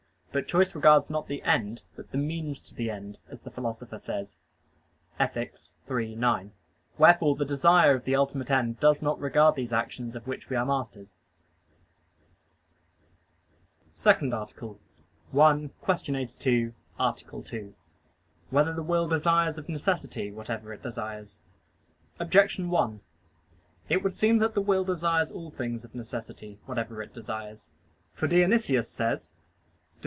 But choice regards not the end, but "the means to the end," as the Philosopher says (Ethic. iii, 9). Wherefore the desire of the ultimate end does not regard those actions of which we are masters. _______________________ SECOND ARTICLE [I, Q. 82, Art. 2] Whether the Will Desires of Necessity, Whatever It Desires? Objection 1: It would seem that the will desires all things of necessity, whatever it desires. For Dionysius says (Div.